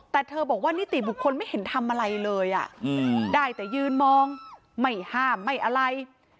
แต่เธอบอกว่านิติบุคคลไม่เห็นทำอะไรเลยได้แต่ยืนมองไม่ห้ามไม่อะไร